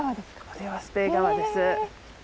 これがスペイ川です。